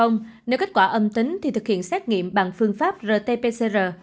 nếu kết quả âm tính thì thực hiện xét nghiệm bằng phương pháp rt pcr